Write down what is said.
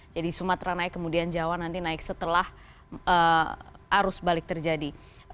jadi sumatera naik kemudian jawa nanti naik setelah arus balik terjadi